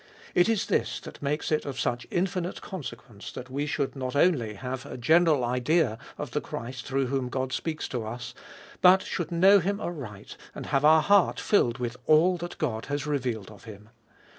It is this that makes it of such infinite consequence that we should not only have a general idea of the Christ through whom God speaks to us, but should know Him aright and have our heart filled with all that God has revealed of Him.